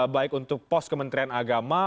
baik untuk pos kementerian agama